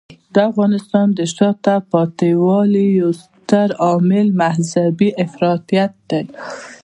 د افغانستان د شاته پاتې والي یو ستر عامل مذهبی افراطیت دی.